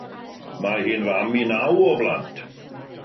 Mae hi'n fam i nawr o blant.